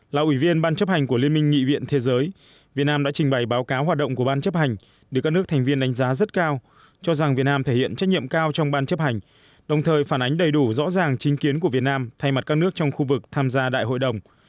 là ủy viên ban chấp hành của liên minh nghị viện thế giới việt nam đã trình bày báo cáo hoạt động của ban chấp hành được các nước thành viên đánh giá rất cao cho rằng việt nam thể hiện trách nhiệm cao trong ban chấp hành đồng thời phản ánh đầy đủ rõ ràng chính kiến của việt nam thay mặt các nước trong khu vực tham gia đại hội đồng